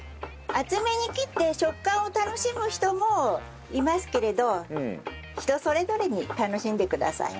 厚めに切って食感を楽しむ人もいますけれど人それぞれに楽しんでください。